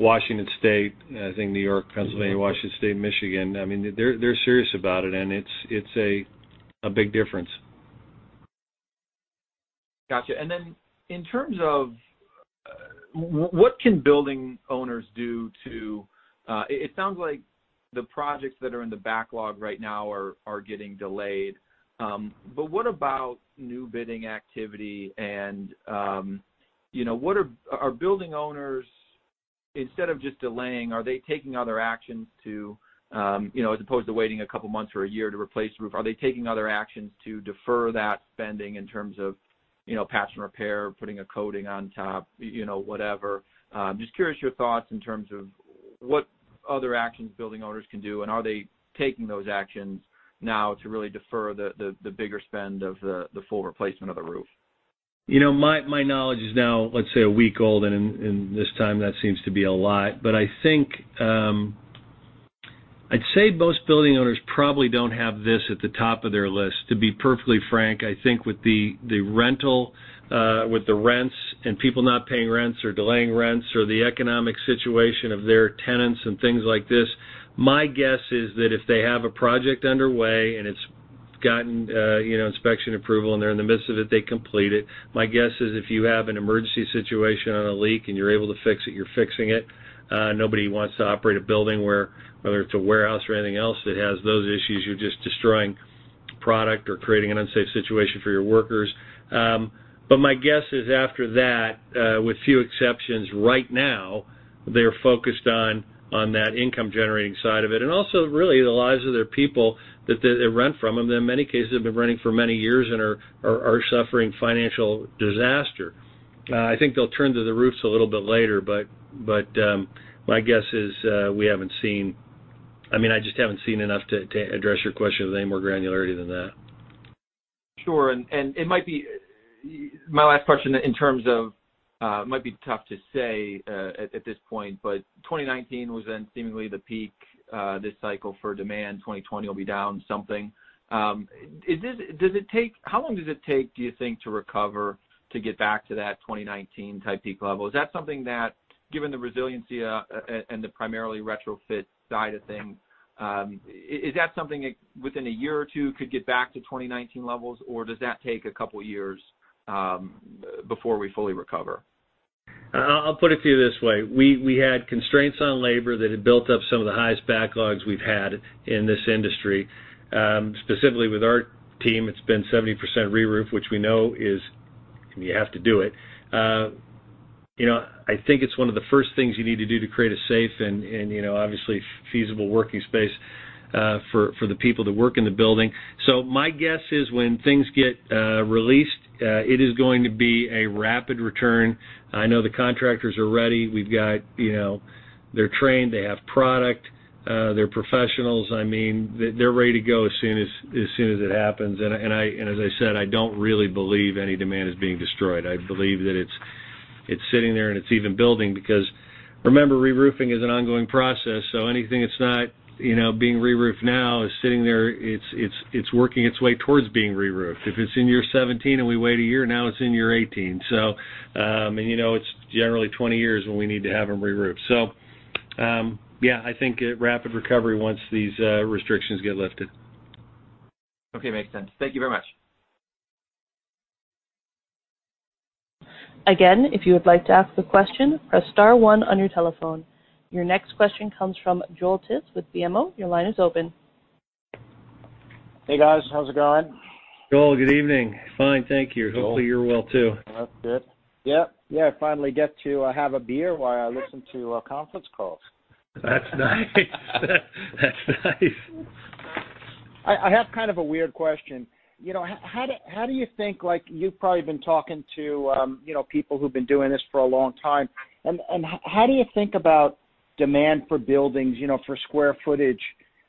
Washington State. I think New York, Pennsylvania, Washington State, Michigan. I mean, they're serious about it, and it's a big difference. Gotcha. And then in terms of what can building owners do to it. It sounds like the projects that are in the backlog right now are getting delayed. But what about new bidding activity? And are building owners, instead of just delaying, taking other actions, as opposed to waiting a couple of months or a year to replace the roof, to defer that spending in terms of patch and repair, putting a coating on top, whatever? Just curious your thoughts in terms of what other actions building owners can do. And are they taking those actions now to really defer the bigger spend of the full replacement of the roof? My knowledge is now, let's say, a week old, and in this time, that seems to be a lot. But I think I'd say most building owners probably don't have this at the top of their list. To be perfectly frank, I think with the rental, with the rents and people not paying rents or delaying rents or the economic situation of their tenants and things like this, my guess is that if they have a project underway and it's gotten inspection approval and they're in the midst of it, they complete it. My guess is if you have an emergency situation on a leak and you're able to fix it, you're fixing it. Nobody wants to operate a building whether it's a warehouse or anything else that has those issues. You're just destroying product or creating an unsafe situation for your workers. But my guess is after that, with few exceptions, right now, they're focused on that income-generating side of it and also really the lives of their people that they rent from. And in many cases, they've been renting for many years and are suffering financial disaster. I think they'll turn to the roofs a little bit later, but my guess is we haven't seen. I mean, I just haven't seen enough to address your question with any more granularity than that. Sure. And it might be my last question in terms of it might be tough to say at this point, but 2019 was then seemingly the peak this cycle for demand. 2020 will be down something. How long does it take, do you think, to recover to get back to that 2019-type peak level? Is that something that, given the resiliency and the primarily retrofit side of things, is that something within a year or two could get back to 2019 levels, or does that take a couple of years before we fully recover? I'll put it to you this way. We had constraints on labor that had built up some of the highest backlogs we've had in this industry. Specifically, with our team, it's been 70% reroof, which we know is you have to do it. I think it's one of the first things you need to do to create a safe and obviously feasible working space for the people that work in the building. So my guess is when things get released, it is going to be a rapid return. I know the contractors are ready. We've got them trained. They have product. They're professionals. I mean, they're ready to go as soon as it happens. And as I said, I don't really believe any demand is being destroyed. I believe that it's sitting there and it's even building because remember, reroofing is an ongoing process. So anything that's not being reroofed now is sitting there. It's working its way towards being reroofed. If it's in year 17 and we wait a year, now it's in year 18. So I mean, it's generally 20 years when we need to have them reroofed. So yeah, I think rapid recovery once these restrictions get lifted. Okay. Makes sense. Thank you very much. Again, if you would like to ask a question, press star one on your telephone. Your next question comes from Joel Tiss with BMO. Your line is open. Hey, guys. How's it going? Joel, good evening. Fine. Thank you. Hopefully, you're well too. That's good. Yep. Yeah. I finally get to have a beer while I listen to conference calls. That's nice. That's nice. I have kind of a weird question. How do you think you've probably been talking to people who've been doing this for a long time, and how do you think about demand for buildings, for square footage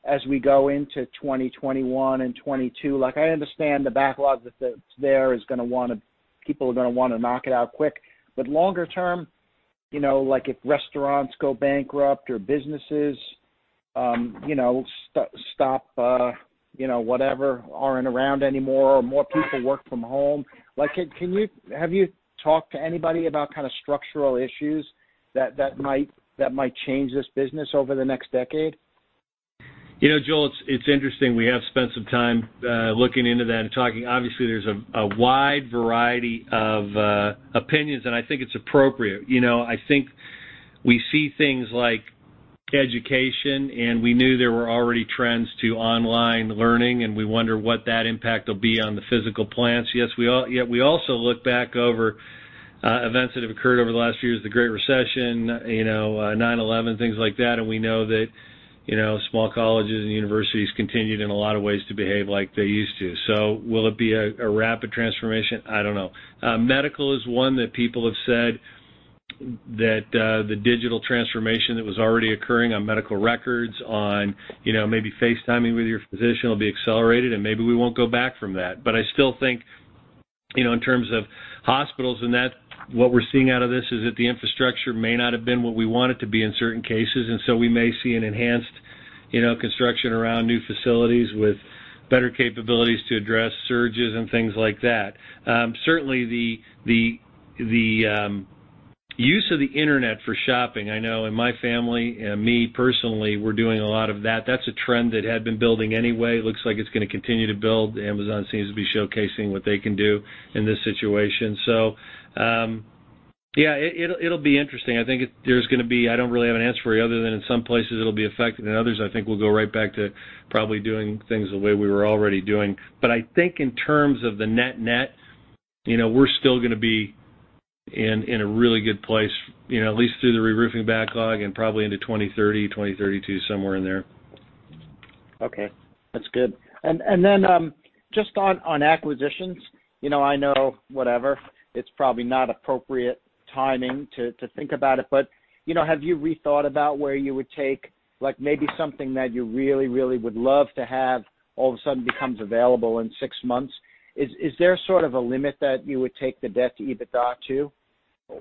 as we go into 2021 and 2022? I understand the backlog that's there is going to want to people are going to want to knock it out quick. But longer term, if restaurants go bankrupt or businesses stop whatever are around anymore or more people work from home, have you talked to anybody about kind of structural issues that might change this business over the next decade? Joel, it's interesting. We have spent some time looking into that and talking. Obviously, there's a wide variety of opinions, and I think it's appropriate. I think we see things like education, and we knew there were already trends to online learning, and we wonder what that impact will be on the physical plants. Yes, we also look back over events that have occurred over the last few years, the Great Recession, 9/11, things like that. And we know that small colleges and universities continued in a lot of ways to behave like they used to. So will it be a rapid transformation? I don't know. Medical is one that people have said that the digital transformation that was already occurring on medical records, on maybe FaceTiming with your physician, will be accelerated, and maybe we won't go back from that. But I still think in terms of hospitals, and that what we're seeing out of this is that the infrastructure may not have been what we want it to be in certain cases. We may see an enhanced construction around new facilities with better capabilities to address surges and things like that. Certainly, the use of the internet for shopping, I know in my family and me personally, we're doing a lot of that. That's a trend that had been building anyway. It looks like it's going to continue to build. Amazon seems to be showcasing what they can do in this situation. So yeah, it'll be interesting. I think there's going to be. I don't really have an answer for you other than in some places, it'll be affected, and others, I think we'll go right back to probably doing things the way we were already doing. But I think in terms of the net-net, we're still going to be in a really good place, at least through the reroofing backlog and probably into 2030, 2032, somewhere in there. Okay. That's good. And then just on acquisitions, I know whatever. It's probably not appropriate timing to think about it. But have you rethought about where you would take maybe something that you really, really would love to have all of a sudden becomes available in six months? Is there sort of a limit that you would take the debt to even not to?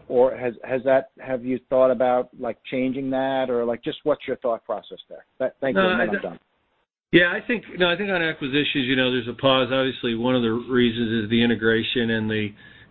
Or have you thought about changing that? Or just what's your thought process there? Thank you. I'm done. Yeah. I think on acquisitions, there's a pause. Obviously, one of the reasons is the integration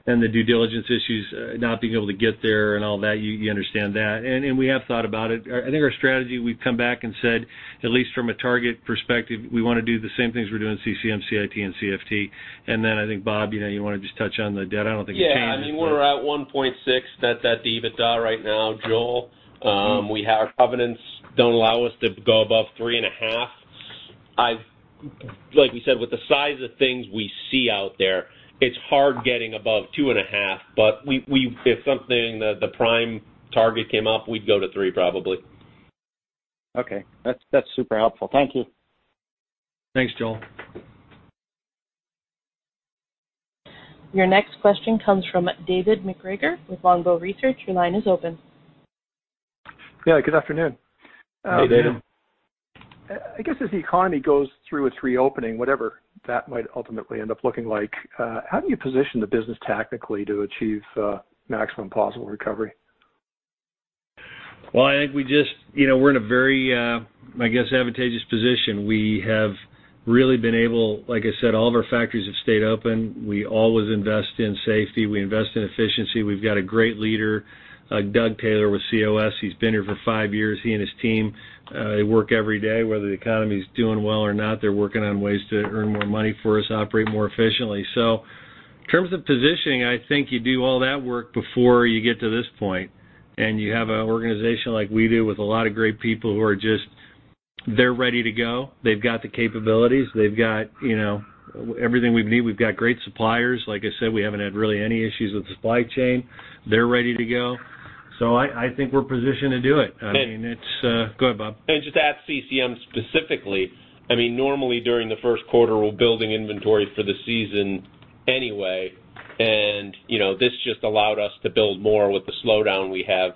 and the due diligence issues, not being able to get there and all that. You understand that. And we have thought about it. I think our strategy, we've come back and said, at least from a target perspective, we want to do the same things we're doing CCM, CIT, and CFT. And then I think, Bob, you want to just touch on the debt? I don't think it changes. Yeah. I mean, we're at 1.6 debt to EBITDA right now, Joel. We have covenants don't allow us to go above 3.5. Like we said, with the size of things we see out there, it's hard getting above 2.5. But if something the prime target came up, we'd go to 3 probably. Okay. That's super helpful. Thank you. Thanks, Joel. Your next question comes from David MacGregor with Longbow Research. Your line is open. Yeah. Good afternoon. Hey, David. I guess as the economy goes through its reopening, whatever that might ultimately end up looking like, how do you position the business technically to achieve maximum possible recovery? Well, I think we're in a very, I guess, advantageous position. We have really been able, like I said, all of our factories have stayed open. We always invest in safety. We invest in efficiency. We've got a great leader, Doug Taylor with COS. He's been here for five years. He and his team, they work every day. Whether the economy is doing well or not, they're working on ways to earn more money for us, operate more efficiently. So in terms of positioning, I think you do all that work before you get to this point. And you have an organization like we do with a lot of great people who are just they're ready to go. They've got the capabilities. They've got everything we need. We've got great suppliers. Like I said, we haven't had really any issues with the supply chain. They're ready to go. So I think we're positioned to do it. I mean, it's go ahead, Bob. And just at CCM specifically, I mean, normally during the first quarter, we're building inventory for the season anyway. And this just allowed us to build more with the slowdown we have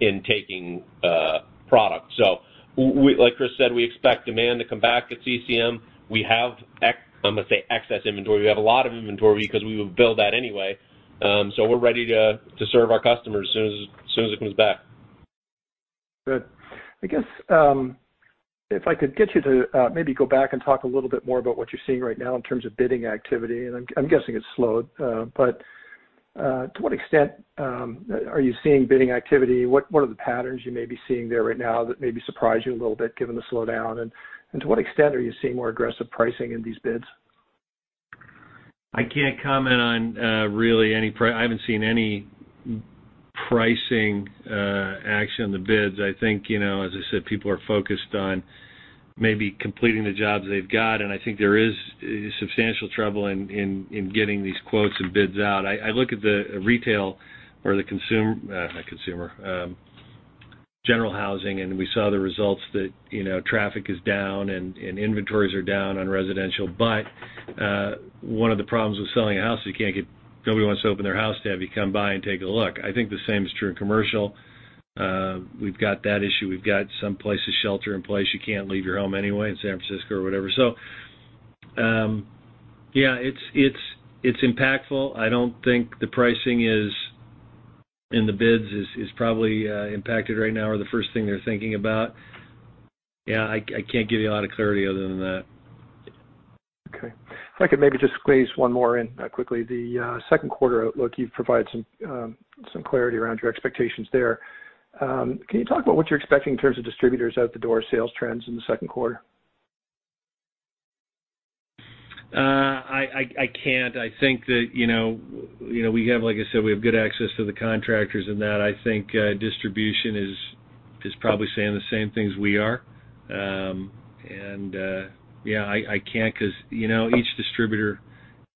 in taking product. So like Chris said, we expect demand to come back at CCM. We have, I'm going to say, excess inventory. We have a lot of inventory because we will build that anyway. So we're ready to serve our customers as soon as it comes back. Good. I guess if I could get you to maybe go back and talk a little bit more about what you're seeing right now in terms of bidding activity. And I'm guessing it's slowed. But to what extent are you seeing bidding activity? What are the patterns you may be seeing there right now that maybe surprise you a little bit given the slowdown? And to what extent are you seeing more aggressive pricing in these bids? I can't comment on really any price. I haven't seen any pricing action on the bids. I think, as I said, people are focused on maybe completing the jobs they've got. And I think there is substantial trouble in getting these quotes and bids out. I look at the retail or the consumer general housing, and we saw the results that traffic is down and inventories are down on residential. But one of the problems with selling a house is you can't get nobody wants to open their house to have you come by and take a look. I think the same is true in commercial. We've got that issue. We've got some places shelter in place. You can't leave your home anyway in San Francisco or whatever. So yeah, it's impactful. I don't think the pricing in the bids is probably impacted right now or the first thing they're thinking about. Yeah. I can't give you a lot of clarity other than that. Okay. If I could maybe just squeeze one more in quickly. The second quarter outlook, you've provided some clarity around your expectations there. Can you talk about what you're expecting in terms of distributors out the door, sales trends in the second quarter? I can't. I think that we have, like I said, we have good access to the contractors and that. I think distribution is probably saying the same things we are, and yeah, I can't because each distributor,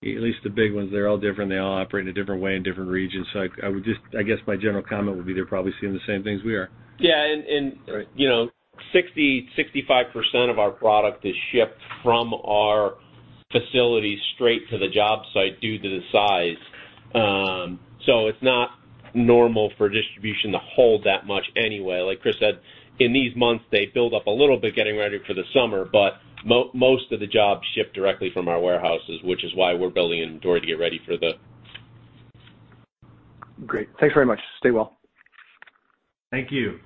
at least the big ones, they're all different. They all operate in a different way in different regions. So I guess my general comment would be they're probably seeing the same things we are. Yeah. 60-65% of our product is shipped from our facility straight to the job site due to the size. So it's not normal for distribution to hold that much anyway. Like Chris said, in these months, they build up a little bit getting ready for the summer, but most of the jobs ship directly from our warehouses, which is why we're building inventory to get ready for the. Great. Thanks very much. Stay well. Thank you.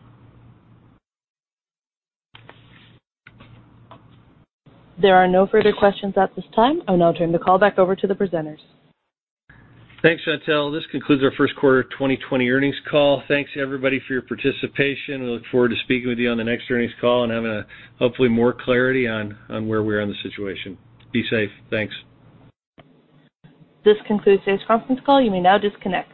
There are no further questions at this time. I'll now turn the call back over to the presenters. Thanks, Chantel. This concludes our first quarter 2020 earnings call. Thanks to everybody for your participation. We look forward to speaking with you on the next earnings call and having hopefully more clarity on where we are in the situation. Be safe. Thanks. This concludes today's conference call. You may now disconnect.